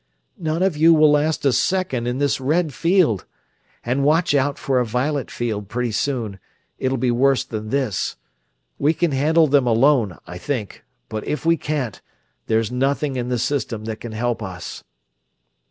"None of you will last a second in this red field. And watch out for a violet field pretty soon it'll be worse than this. We can handle them alone, I think; but if we can't, there's nothing in the System that can help us!"